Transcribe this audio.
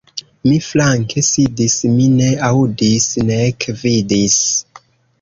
Mi flanke sidis, mi ne aŭdis nek vidis.